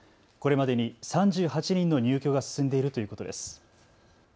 これまでに３８人の入居が進んでいるということです。